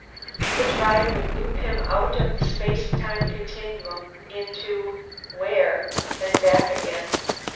The drive would loop him out of the space time continuum, into where? and back again.